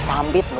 saya ke atas